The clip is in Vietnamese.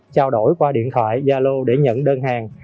trao đổi qua điện thoại gia lô để nhận đơn hàng